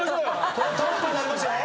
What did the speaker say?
これトップになりますよ。